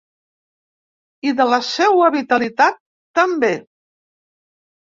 I de la seua vitalitat, també.